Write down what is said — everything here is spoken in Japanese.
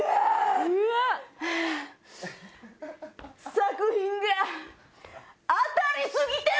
作品が当たりすぎてる！